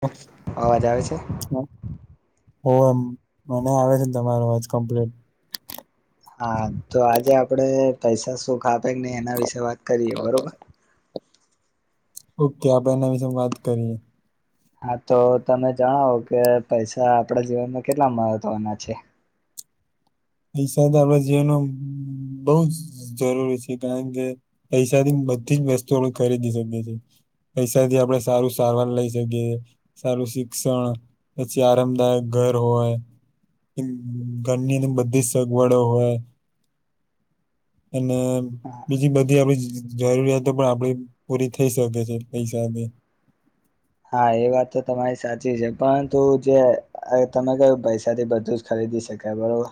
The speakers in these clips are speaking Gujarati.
ઓ અવાજ આવે છે હા હો એમ મને આવે છે ને તમારો અજ કમ્પ્લીટ હા તો આજે આપડે પૈસા સુખ આપે ને એના વિશે વાત કરીએ બરોબર ઓકે આપડે એના વિશે વાત કરીએ. હા તો તમે જણાવો કે પૈસા આપડા જીવનમાં કેટલા મહત્વના છે. પૈસા આપણા જીવનમાં બહુ જ જરૂરી છે કારણ કે પૈસાથી બધી જ વસ્તુ આપ ખરીદી શકીએ છે. પૈસાથી આપણે સારું સારવાર લઇ શકીએ. સારું શિક્ષણ પછી, આરામદાયક ઘર હોય ધરનું બધુ ભી સગવડો હોય અને [inaudible] બીજી બધી આપડી જરૂરિયાતો પણ આપડી પૂરી થઈ શકે છે પૈસાથી હા એ વાત તો તમારી સાચી છે, પરંતુ જે તમે કયું પૈસાથી બધું ખરીદી શકાય બરોબર,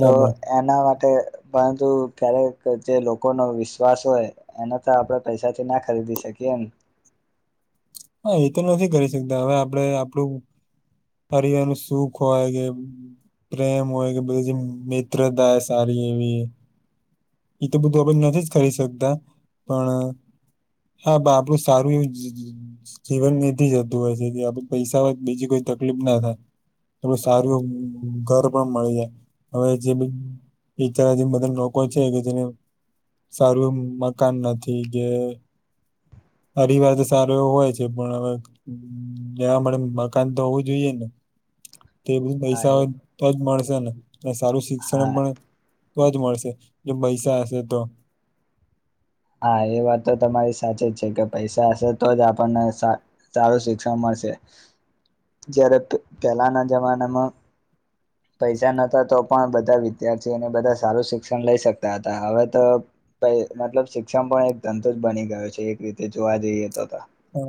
તો એના માટે પરંતુ ક્યારેક જે લોકોનો વિશ્વાસ હોય એને તો આપડે પૈસાથી ના ખરીદી શકીએ, એમ હા એ તો નથી કરી શકતા, હવે આપડે આપડું પરિવાનું સુખ હોય કે પ્રેમ હોય કે બધી મિત્રતા સારી એવી એ તો બધું આપ નથી જ કરી શકતા પણ હા આપડું સારું એવું જીવન મેથી જતું હોય છે આપડે પૈસા વા બીજી કોઈ તકલીફ ના થાય. થો ડું સારું ઘર પણ મળી જાય હવે જે બ એતાર જે બધા લોકો છે કે જેને સારું મકાન નથી કે પરીવાર તો સારો એવો હોય છે પણ હવે રેવા મળે મકાન તો હોવું જ જોઈએ ને તે બધું હા પૈસા એ તોજ મળશે ને અને સારું શિક્ષણ હા પણ તો જ મળશે જે પૈસા હશે તો હા એ વાત તો તમારી સાચી જ છે કે પૈસા હશે તો જ આપણને સા સારું શિક્ષણ મળશે, જ્યારે પહેલાના જમાનામાં હ [inaudible] પૈસા નતા તો પણ બધા વિદ્યાર્થીઓને બધા સારું શિક્ષણ લઈ શકતા હતા હવે તો પ મતલબ શિક્ષણ પણ એક ધંધુ જ બની ગયો છે એક રીતે જોવા જઈએ તો.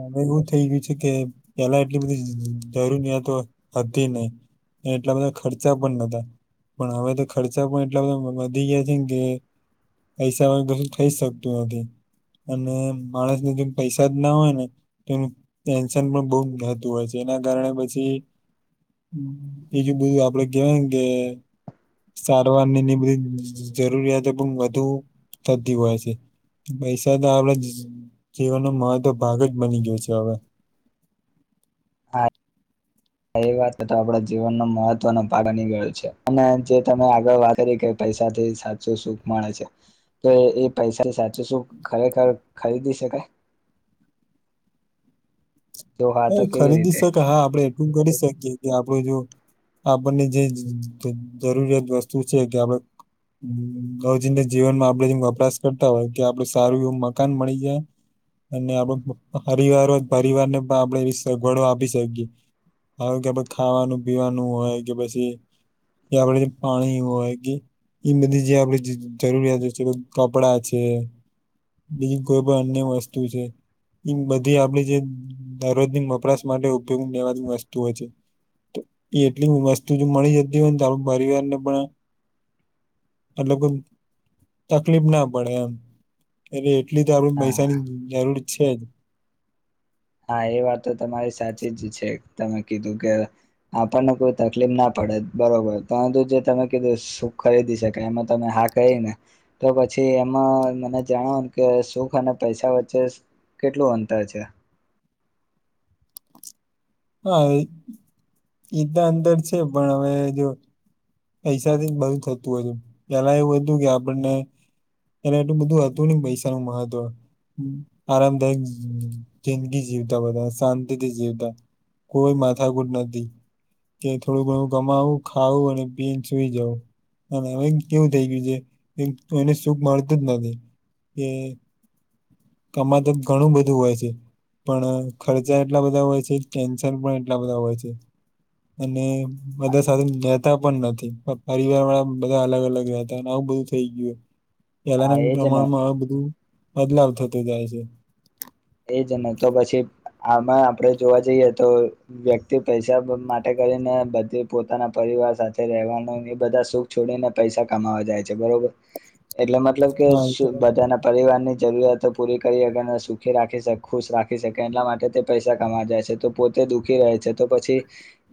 હવે એવું થઇ ગયું છે કે પેલા એટલી બધી જરૂરિયાતો હતી નહ. એટલા બધા ખર્ચા પણ નતા. પણ હવે તો ખર્ચા પણ એટલા બધા વધી ગયા છે ને કે પૈસામાં વગર કશું થઈ જ શકતું નથી, અને માણસને જેમ પૈસા ના હોય ને, તો તેનું ટેન્શન પણ બહ થતું હોય છે એના કારણે પછી બીજું બધું આપડે કેવાય કે સારવાર નીની બધી જરૂરિયાતો પણ વધુ થતી હોય છે. પૈસા તો આપડ જીવનનો મહત્વ ભાગ જ બની ગયો છે હવે. હા. એ વાત તો આપડા જીવનનો મહત્વનો ભાગ બની ગયો છે અને જે તમે આગળ વાત કરી કે પૈસાથી સાચું સુખ મળે છે, તો એ એ પૈસા તો સુખ ખરેખર ખરીદી શકાય. જો હા તો કેવી ખરીદી રીતે શકે હા આપડે એટલું કરી શકીએ કે આપડ જો આપણને જે જરૂરિયાત વસ્તુ છે કે આપડ રોજિંદા જીવનમાં આપડે જેમ વપરાશ કરતા હોય કે આપડે સારું એવું મકાન મળી જાય. અને આપડ પરીવારો પરિવારને પણ આપણેે એવી સગવડો આપી શકીએ. હવે કે ખાવાનું પીવાનું હોય કે પછી કે આપણે પાણી હોય કે એ બધી જે આપે જરૂરિયાતો છે કપડા છે. બીજી કોઈ પણ અન્ય વસ્તુ છે, એ બધી આપડી જે દરરોજની વ પરાસ માટે ઉપયોગ લેવાતી વસ્તુ હોય છે. એ એટલી વસ્તુ જો મળી જતી હોય ને તો આપ પરિવાર ને પણ એટલે કો તકલીફ ના પડે એમ. અરે એટલી જરૂર હા પૈસાની જરૂર છે જ. હા એ વાત તો તમારી સાચી જ છે તમે કીધું કે આપણને કોઈ તકલીફ ના પડે બરોબર પરંતુ જે તમે કીધું સુૂખ ખરીદી શકાય એમાં તમે હા કહિ ને તો પછી એમાં મને જણાવો કે સુખ અને પૈસા વચ્ચે કેટલું અંતર છે? હા, ઈદા અંદર છે પણ હવે જો પૈસા થી જ બધુ થતું હતુ, પેલા એવું હતું કે આપણને ત્યારે એટલું બધું હતું ને પૈસા નનું મહત્વ. આરામદાયક જિંદગી જીવતા બધા શાંતિથી જીવતા. કોઈ માથાકુટ નતી. કે થોડું ઘણું કમાવું ખાવું અને પી ન સુઈ જવું. હવે કેવું થઈ ગયું છે, એને સુખ મળતું જ નથી. એ કમાતા તો ઘણું બધું હોય છે, પણ ખર્ચા એટલા બધા હોય છે. ટેન્શન પણ એટલા બધા હોય છે. અને બધા સાથે રહેતા પણ નથી, પણ પરિવાર વાળા બધા અલગ અલગ રહેતા આવું બધું થઈ ગયું, હા પહેલાના એજ ને પ્રમાણમાં આ બધું બદલાવ થતો જાય છે. એજ નને તો પછી આમાં આપડે જોવા જઈએ તો વ્યક્તિ પૈસા માટે કરીને બધી પોતાના પરિવાર સાથે રહેવાનો બધા સુખ છોડીને પૈસા કમાવા જાય છે બરોબર, એટલે મતલબ હા એ તો બધા ના પરિવાર ની જરૂરતો પૂરી કરી દખી રાખી શકે ખુશ રાખી શકે એટલા માટે તે પૈસા કમા જાય છે તો પોતે દુઃખી રહે છે તો પછી.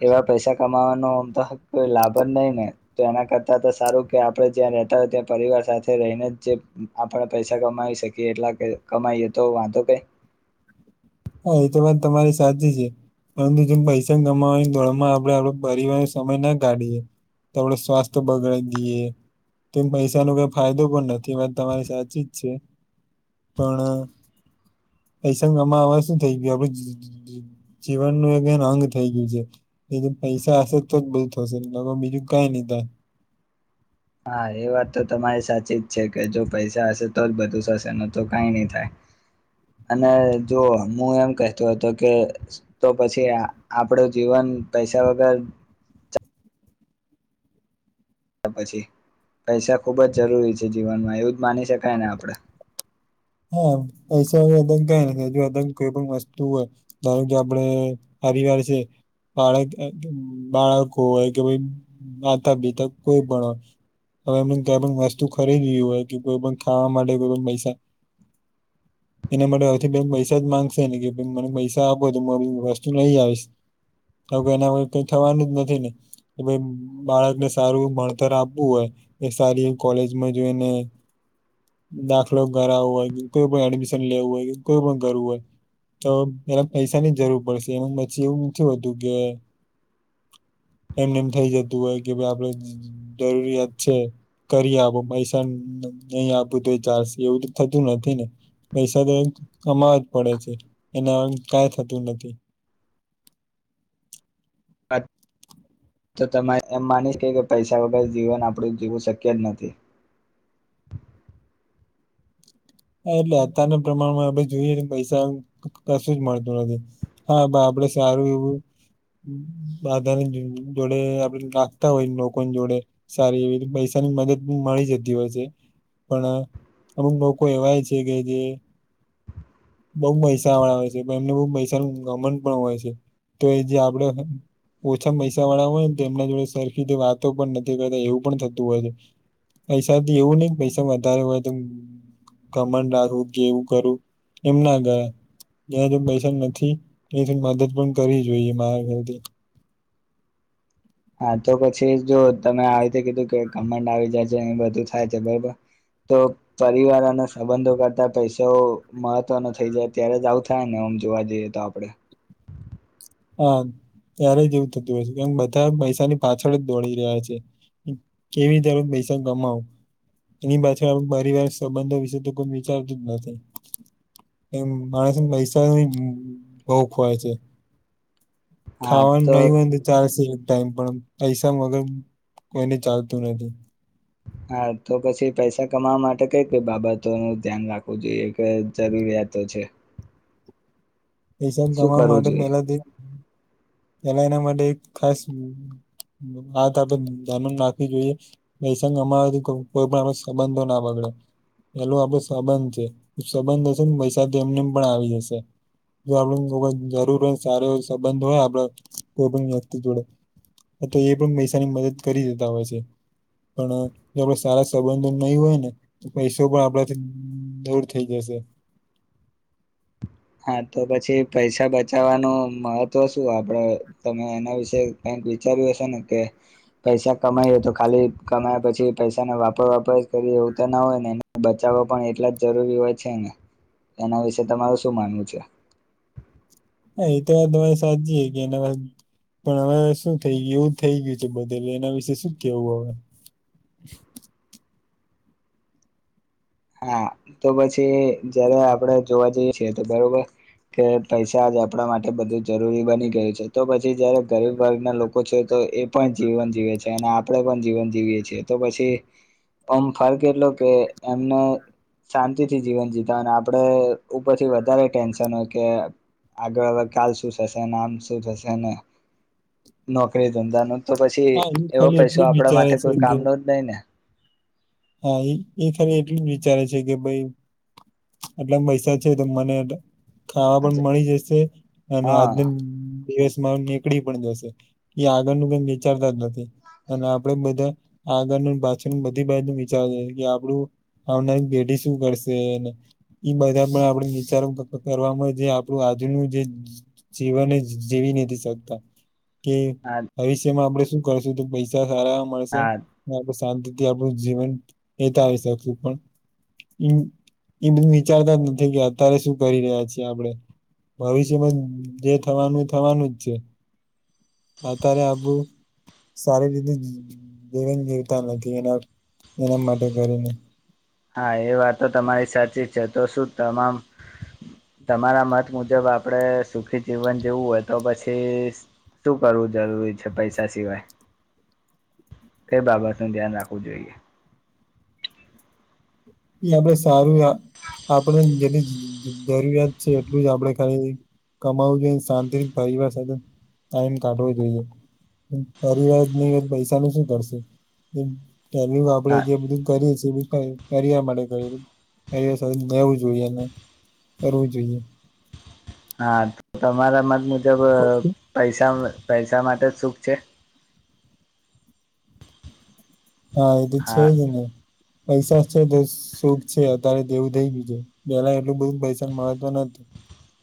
એવા પૈસા કમાવાનો આમ તો કોઈ લાભ જ નય ને. તો એના કરતા તો સારું કે આપડે જ્યાં રહેતા હોય ત્યાં પરિવાર સાથે રહીને જ જે આપણે પૈસા કમાવી શકીએ એટલા કમાઈએ તો વાંધો કઈ. હા એ તો વાત તમારી સાચી છે. પરંતુ જેમ પૈસા કમાવાની દોડમાં આપડે આપડા પરિવાર સમય ના કાઢીએ. તો આપડું સ્વાસ્થ બગડાવ દિઈએ. તો પૈસા નો કઈ ફાયદો પણ નથી વાત તમારી સાચી જ છે. પણ એ સમય માં હવે શું થઈ ગયું આપડે જ જ. જીવનનું એ [unintelligible] અંગ થઇ ગયું છે. એજ પૈસા હશે તો જ બધુ થશે નિતો બીજું કાઈ ની થાય. હા એ વાત તો તમારી સાચી જ છે કે જો પૈસા હશે તો જ બધું થશે ની તો કાઈ ની થાય. અને જો હું એમ કેહતો હતો કે તો પછી આપડું જીવન પૈસા વગર તો પછી પૈસા ખુબ જ જરૂરી છે જીવનમાં એવું જ માની શકાયને આપડે. હા પૈસા વગર કાય ની થાય અગર કોઈ પણ વસ્તુ હોય ધારો કે આપડે પરીવાર છે. બાળક અ બાળકો હોય કે ભાઈ માતા પિતા કોઈ પણ હોય. હવે એમને કઈ પણ વસ્તુ ખરીદીવી હોય કે કોઈ પણ ખાવા માટે કોઈ પણ પૈસા એના માટે હા થી બે પૈસા જ માંગશે ને કે ભઈ મને પૈસા આપો તો હું વસ્તુ લઈ આવીશ. તો એના કઈ થવાનું જ નથી ને. કે ભઈ બાળકને સારું ભણતર આપવું હે એ સારી કોલેજમાં જોઈને દાખલો કરાવો હોય. કોઈ પણ એડમિશન લેવું હોય, કે કોઈ પણ કરવું હોય. તો પેલા પૈસા ની જરૂર પડશે એમા પછી એવું નથી હોતું કે. એમ ને એમ થઈ જતું હોય કે ભાઈ આપડે. જરૂરિયાત છે કરી આપો પૈસા નહી આપૂ તો એ ચાલશે એવું થય થતું નથી ને પૈસા તો કમાવા જ પડે છે એના કા થતું નથી. તો તમારે એમ માની કે પૈસા વગર જીવન આપડું જીવું શક્ય જ નથી. હા એટલે અત્યારના પ્રમાણમાં જોઈએ પૈસા કશું જ મળતું નથી. હા [unintelligible] આપડે સારું એવું. બધાને જોડે આપડે નાખતા હોય લોકોની જોડે. સારી એવી પૈસાની મદદ મળી જતી હોય છે પણ અમુક લોક એવી હોય છે કે જે બો પૈસા વાળા હોય છે એમને બો પૈસાનું ઘમંડ પણ હોય છે. તો એ જે આપડે. ઓછા પૈસા વાળા હોય ને તો તેમના જોડે સરખી રીતે વાતો પણ નથી કરતા એવું પણ થતું હોય છે. પૈસા થી એવું ની પૈસા વધારે હોય તો ઘમંડ રાખું કેવું કરું એમ ના કરાય. જ્યાંથી પૈસા નથી એથી મદદ પણ કરવી જોઈએ મારા ખયાલથી. હા તો પછી જો તમે આ રીતે કીધું કે ઘમંડ આવી જાય છે ને એ બધું થાય છે બરોબર. તો પરિવાર અને સંબંધો કરતા પૈસો મહત્વનો થઈ જાય ત્યારે જ આવું થ થાય ને આમ જોવા જઈએ તો આપડે. હા ત્યારે જ એવું થતું હોય છે કેમ બધા પૈસાની પાછળ જ દોડી રહ્યા છે. કેવી તર પૈસા કમાવો. એની પાછળ પરિવાર, સંબંધો વિશે તો કોઈ વિચારતું જ નથી. એમ માણસને પૈસા બો [unintelligible] છે. ખાવાનું નય હોય ને તો ચાલશે એક ટાઈમ પણ પૈસા મગર કોઈને ચાલતું નથી. હા તો પછી પૈસા કમાવા માટે કઈ કઈ બાબતોનું ધ્યાન રાખવું જોઈએ કે જરૂરિયાતો છે. પૈસા શું કમાવા કરવું માટે જોઈએ પેલાથી પેલા એના માટે એક ખાસ આ તો આપડે ધનન નાખવી જોઈએ. નસંગ અમારાથી કોઈ પણ આપ સંબંધો ના બગડે. પેલું આપડે સબંધ છે તો સબંધ હશે ને પૈસા તો એમને એમ પણ આવી જશે. જો આપડઈ જરૂર હોય સાર હોય સંબંધ હોય આપડે કોઈ પણ વ્યક્તિ જોડે તો એ પણ પૈસાની મદદ કરી દેતા હોય છે. પણ જો આપડા સારા સંબંધો નહી હોય ને પૈસો પણ આપડાથી દૂર થઈ જશે. હા, તો પછી પૈસા બચાવવાનું મહત્વ શું આપડે તમે એના વિશે કેમ વિચાર્યું હશે ને કે પૈસા કમાઈએ તો ખાલી કમાયા પછી પૈસા ન વાપર વાપર કરીએ એવું તો ના હોય ને બચાવો પણ એટલા જ જરૂરી હોય છે ને. એના વિશે તમાર શું માનવું છે? હા, એ તો વાત તમારી સાચી કે એને બાદ પણ હવે શું થઈ ગયું એવું થઈ ગયું છે બધેલ એના વિશે શું કેવું હવે. હા, તો પછી જયારે આપડે જોવા જઈએ છીએ તો બરોબર કે પૈસા આજ આપડા માટે બધું જરૂરી બની ગયું છે તો પછી જયારે ગરીબ વર્ગના લોકો છે તો એ પણ જીવન જીવે છે અને આપડે પણ જીવન જીવીએ છીએ તો પછી ઓમ ફર્ક એટલો કે એ ને શાંતિથી જીવન જીતા હો અને આપડે ઉપરથી વધારે ટેન્શન હો કે આગળ હવે કાલ શું થશે નામ શું થશે ને નોકરી ધંધા ને તો પછી હા એ એવો ખાલી પૈસો એટલું જ આપડા વિચારે માટે છે કોઈ કામ કે ન જ નહી ને. હા, એ એ ખાલી એટલું જ વિચારે છે કે ભઈ આટલા પૈસા છે તો મને ખાવા આજે પણ મળી જશે અને હા આજ દિવસમાં નીકળી પણ જશે. એ આગળનું કઈક વિચારતા જ નથી અને આપડે બધા આગળનું પાછળ નું બધી બાજ નું વી [unintelligible] આપડું આવનારી પેઢી શું કરશે? એ બધા પણ આપડે વિચારણ કરવામાં જે આપણું આજુનું જે જીવન જીવી નથી શકતા. કે હા ભવિષ્યમાં આપણેે શું કરશું તો પૈસા સારા મળશે. હા આપડું શાંતિ થી આપણું જીવન વિતાવી શકશુ પણ. એ બધું વિચારતા જ નથી કે અત્યારે શું કરી રહ્યા છીએ આપડે. ભવિષ્યમાં જે થવાનું એ થવાનું જ છે. અત્યારે આબુ સારી રીતે જીવન જીવતા નથી એના એના માટે કરીને. હા એ વાતો તમારી સાચી છે. તો શું તમામ તમારા મત મુજબ આપડે સુખી જીવન જેવું હોય તો પછી શું કરવું જરૂરી છે પૈસા સિવાય? કઈ બાબત નું ધ્યાન રાખવું જોઈએ? ન બો સારું હે, આપણેે જેને જરૂરિયાત છે એટલું જ આપડે ખાલી કમાવું જોઈએ શાંતિ પરિવાર સાથે ટાઈમ કાઢવો જોઈએ. પરિવાર ની હો પૈસા ન શું કરશે? એમ આપડે હા જે બધું કરીએ છીએ એ બું કાય ફરિયા માટે જરૂરી ફરિયા સાથે લવું જોઈએ અને કરવું જોઈએ. હા તો તમારા મત મુજબ પૈસા પૈસા માટે જ સુખ છે? હા એ તો છે હા જ ને. પૈસા છે તો સુખ છે અત્યારે તેવું થઈ બીજું છે, પેલા એટલું બધું પૈસા મહત્વ ન હતું.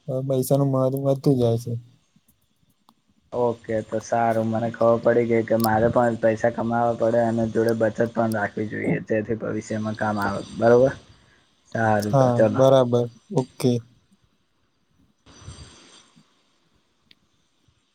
હવે પૈસાનું મહત્વ વધતું જાય છે. ઓકે તો સારું મને ખબર પડી ગઈ કે મારે પણ પૈસા કમાવવા પડે અને જોડે બચત પણ રાખવી જોઈએ. તેથી ભવિષ્યમાં કામ આવે બરોબર? સારું તો હા ચલો બરાબર, ઓકે.